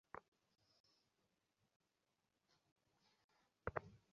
এই ওয়াদা অনুযায়ী ইবরাহীম পিতার জন্যে সর্বদা ক্ষমা প্রার্থনা করতে থাকেন।